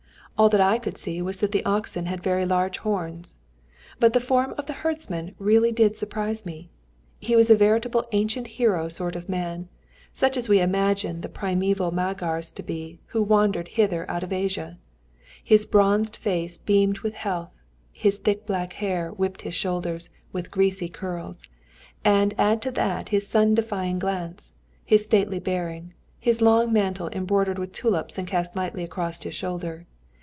All that I could see was that the oxen had very large horns. But the form of the herdsman really did surprise me. He was a veritable ancient hero sort of a man, such as we imagine the primeval Magyars to have been who wandered hither out of Asia. His bronzed face beamed with health, his thick black hair whipped his shoulders with its greasy curls, and add to that his sun defying glance, his stately bearing, his long mantle embroidered with tulips and cast lightly across his shoulder.